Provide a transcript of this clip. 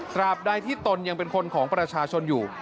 ใดที่ตนยังเป็นคนของประชาชนอยู่